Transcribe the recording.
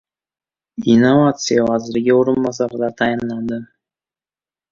Innovatsiya vaziriga o‘rinbosarlar tayinlandi